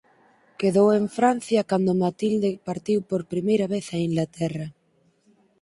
Quedou en Francia cando Matilde partiu por primeira vez a Inglaterra.